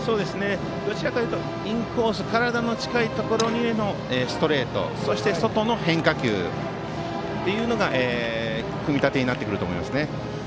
どちらかというとインコース、体に近いところへのストレート、そして外の変化球というのが組み立てになってくると思います。